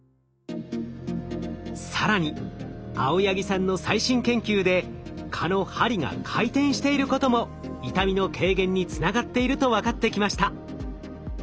更に青柳さんの最新研究で蚊の針が回転していることも痛みの軽減につながっていると分かってきました。